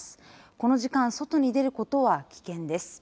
この時間外に出ることは危険です。